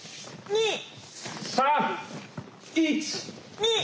２！